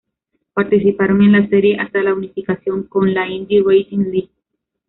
Participaron en la serie hasta la unificación con la Indy Racing League.